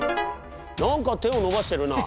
何か手を伸ばしてるな。